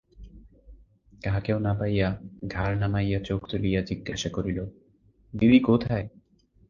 কাহাকেও না পাইয়া ঘাড় নামাইয়া চোখ তুলিয়া জিজ্ঞাসা করিল, দিদি কোথায়?